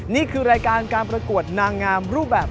นี่คือรายการการประกวดนางงามรูปแบบ